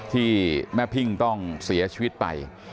ที่แม่พิ่งต้องเสียชีวิตไป